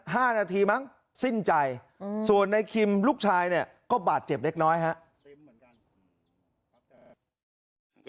ห้านาทีมั้งสิ้นใจอืมส่วนในคิมลูกชายเนี่ยก็บาดเจ็บเล็กน้อยครับ